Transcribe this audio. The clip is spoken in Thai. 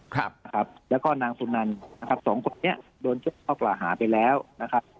ครับครับแล้วก็นางศูนย์นั่นนะครับสองคนนี้โดนเคราะห์ไปแล้วนะครับ